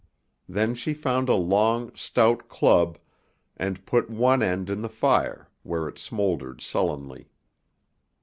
Then she found a long, stout club, and put one end in the fire, where it smouldered sullenly.